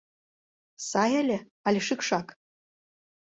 Сай ыле, але шӱкшак?